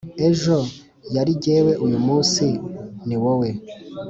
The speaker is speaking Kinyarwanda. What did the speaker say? «Ejo yari jyewe, uyu munsi ni wowe!»